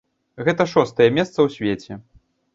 Гэта шостае месца ў свеце.